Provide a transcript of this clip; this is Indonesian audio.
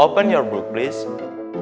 buka buku kamu please